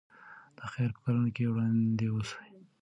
د خیر په کارونو کې وړاندې اوسئ.